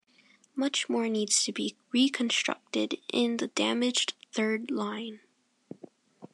Much more needs to be reconstructed in the damaged third line.